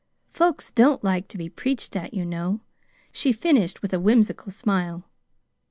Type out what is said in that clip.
Folks don't like to be preached at, you know," she finished with a whimsical smile.